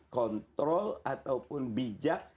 kontrol ataupun bijak